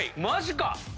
マジか！